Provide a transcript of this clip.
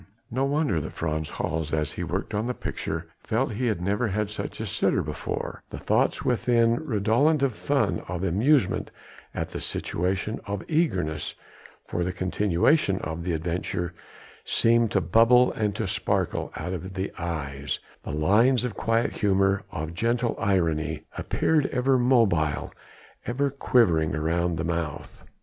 No wonder that Frans Hals as he worked on the picture felt he had never had such a sitter before; the thoughts within redolent of fun, of amusement at the situation, of eagerness for the continuation of the adventure seemed to bubble and to sparkle out of the eyes, the lines of quiet humour, of gentle irony, appeared ever mobile, ever quivering around the mouth.